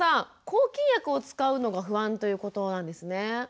抗菌薬を使うのが不安ということなんですね。